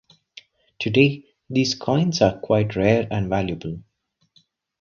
Today these coins are quite rare and valuable.